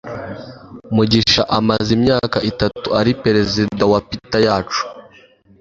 mugisha amaze imyaka itatu ari perezida wa pta yacu